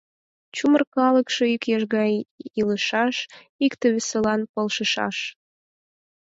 Чумыр калыкше ик еш гай илышаш, икте-весылан полшышаш.